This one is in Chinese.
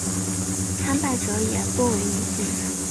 参拜者也多为女性。